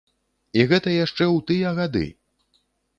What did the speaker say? І гэта яшчэ ў тыя гады!